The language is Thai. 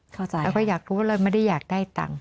เข้าใจเราก็อยากรู้เลยไม่ได้อยากได้ตังค์